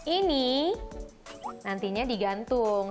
ini nantinya digantung